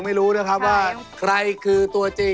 เผลอรู้อ่ะ